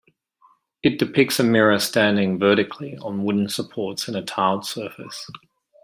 It depicts a mirror standing vertically on wooden supports on a tiled surface.